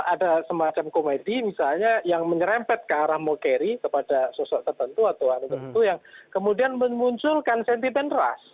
ada semacam komedi misalnya yang menyerempet ke arah mau keri kepada sosok tertentu atau orang tertentu yang kemudian memunculkan sentitan ras